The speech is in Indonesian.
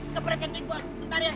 keberatan tinggal sebentar ya